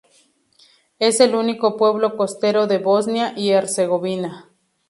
Es el único pueblo costero de Bosnia y Herzegovina.